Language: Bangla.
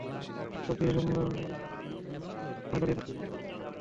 অর্থাৎ কৃষি সম্প্রসারণকর্মী কৃষকের মাঠে দাঁড়িয়েই তাৎক্ষণিকভাবে কৃষককে সঠিক পরামর্শ দিতে পারবেন।